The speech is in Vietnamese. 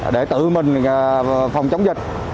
để tự mình phòng chống dịch